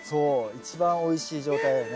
一番おいしい状態よね。